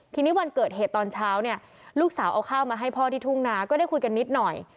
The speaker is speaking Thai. ทีนี้วันเกิดเหตุตอนเช้าเนี่ยลูกสาวเอาข้าวมาให้พ่อที่ทุ่งนาก็ได้คุยกันนิดหน่อย